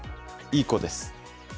いい子です。